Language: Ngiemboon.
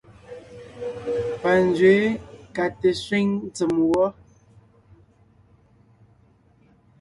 Panzwě ka te sẅíŋ tsèm wɔ.